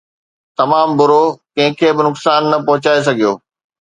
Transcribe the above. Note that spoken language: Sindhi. تمام برو! ڪنهن کي به نقصان نه پهچائي سگهيو